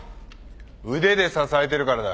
腕で支えてるからだ。